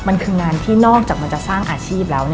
มันคืองานที่นอกจากมันจะสร้างอาชีพแล้ว